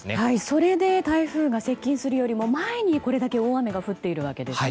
それで台風が接近するよりも前にこれだけ大雨が降っているわけですね。